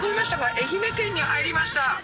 愛媛県に入りました。